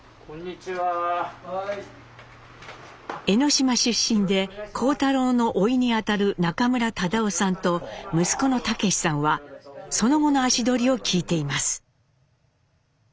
江島出身で幸太郎のおいにあたる中村忠夫さんと息子の武志さんはその後の足取りを聞いています。